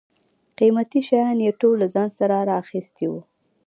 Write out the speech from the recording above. قیمتي شیان یې ټول له ځان سره را اخیستي و.